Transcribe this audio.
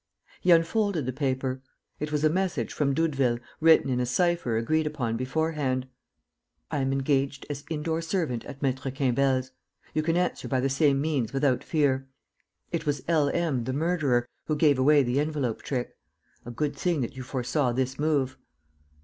He unfolded the paper. It was a message from Doudeville, written in a cipher agreed upon beforehand: "I am engaged as indoor servant at Maître Quimbel's. You can answer by the same means without fear. "It was L. M., the murderer, who gave away the envelope trick. A good thing that you foresaw this move!"